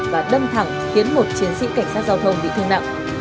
và đâm thẳng khiến một chiến sĩ cảnh sát giao thông bị thương nặng